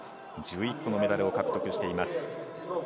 １１個のメダルを獲得しています。